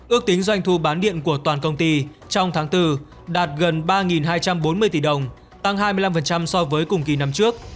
ước tính doanh thu bán điện của toàn công ty trong tháng bốn đạt gần ba hai trăm bốn mươi tỷ đồng tăng hai mươi năm so với cùng kỳ năm trước